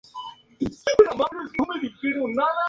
Es ahí donde Brass llama al juez para obtener una orden de captura.